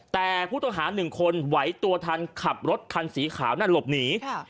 แต่ผู้ต้องหาหนึ่งคนไหวตัวทันขับรถคันสีขาวนั่นหลบหนี